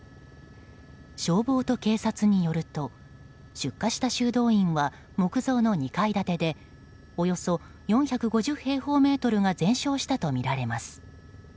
消防と警察によると出火した修道院は木造の２階建てでおよそ４５０平方メートルが全焼したとみられます。